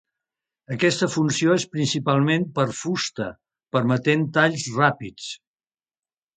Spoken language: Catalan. Aquesta funció és principalment per a fusta, permetent talls ràpids.